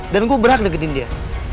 dan gua berhak deketin dia